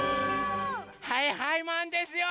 はいはいマンですよ！